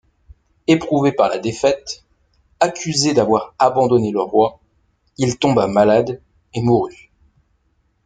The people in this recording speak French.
Éprouvé par la défaite, accusé d’avoir abandonné le roi, il tomba malade et mourut.